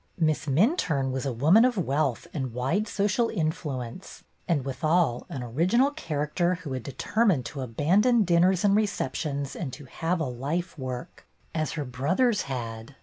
Miss Minturne was a woman of wealth and wide social influence and, withal, an original character who had determined to abandon dinners and receptions and to have a life work, as her brothers had.